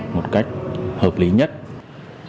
một cách hợp lý với các cơ sở